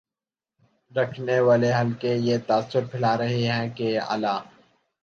رکھنے والے حلقے یہ تاثر پھیلا رہے ہیں کہ اعلی